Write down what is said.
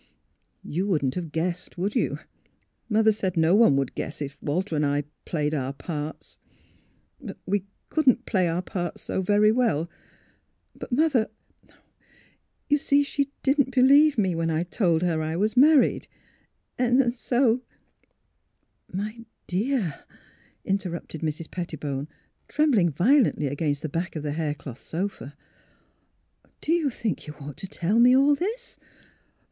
Yon wouldn't have guessed: would you? Mother said no one would guess, if Walter and I — played our parts. We couldn't — play our parts — so very well; but Mother You see, she didn't believe me when I told her I was married, and so "" My dear," interrupted Mrs. Pettibone, trem bling violently against the back of the haircloth sofa, " do you think you ought to tell me all this?